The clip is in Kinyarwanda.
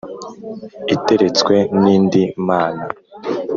iteretswe n’indi mana,